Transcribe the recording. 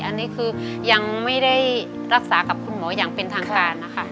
อันนี้คือยังไม่ได้รักษากับคุณหมออย่างเป็นทางการนะคะ